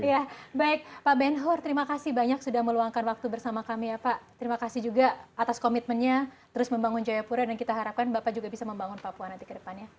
ya baik pak ben hur terima kasih banyak sudah meluangkan waktu bersama kami ya pak terima kasih juga atas komitmennya terus membangun jayapura dan kita harapkan bapak juga bisa membangun papua nanti ke depannya